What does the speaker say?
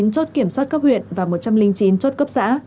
một mươi chín chốt kiểm soát cấp huyện và một trăm linh chín chốt cấp xã